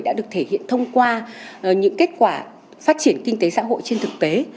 đã được thể hiện thông qua những kết quả phát triển kinh tế xã hội trên thực tế